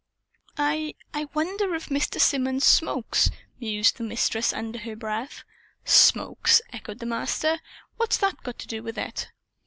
"I I wonder if Mr. Symonds smokes," mused the Mistress under her breath. "Smokes?" echoed the Master. "What's that got to do with it?"